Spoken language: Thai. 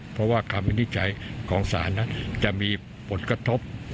เพราะว่าการวินิจฉัยของสารจะมีผลกระทบ